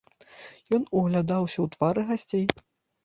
Ён углядаўся ў твары гасцей.